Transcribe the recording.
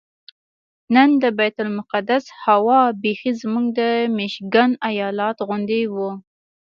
نن د بیت المقدس هوا بیخي زموږ د میشیګن ایالت غوندې وه.